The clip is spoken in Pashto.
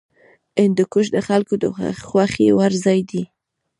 هندوکش د خلکو د خوښې وړ ځای دی.